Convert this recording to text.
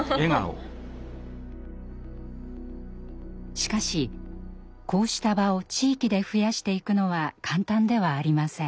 しかしこうした場を地域で増やしていくのは簡単ではありません。